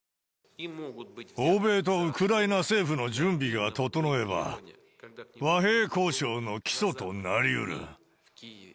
欧米とウクライナ政府の準備が整えば、和平交渉の基礎となりうる。